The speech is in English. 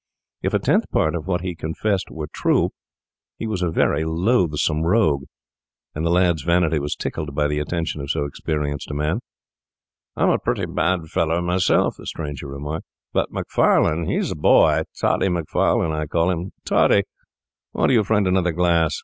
If a tenth part of what he confessed were true, he was a very loathsome rogue; and the lad's vanity was tickled by the attention of so experienced a man. 'I'm a pretty bad fellow myself,' the stranger remarked, 'but Macfarlane is the boy—Toddy Macfarlane I call him. Toddy, order your friend another glass.